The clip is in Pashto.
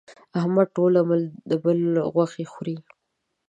احمد ټول عمر د بل غوښې خوري.